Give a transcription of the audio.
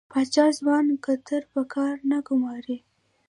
پاچا ځوان کدر په کار نه ګماري .